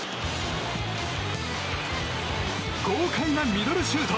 豪快なミドルシュート！